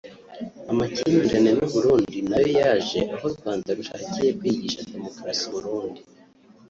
Amakimbirane n’u Burundi nayo yaje aho Urwanda rushakiye kwigisha demokarasi Uburundi